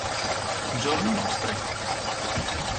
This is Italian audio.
Giorni nostri.